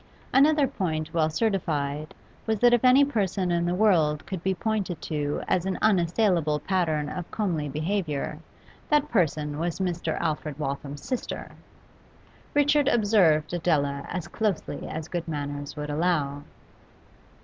Another point well certified was that if any person in the world could be pointed to as an unassailable pattern of comely behaviour that person was Mr. Alfred Waltham's sister. Richard observed Adela as closely as good manners would allow.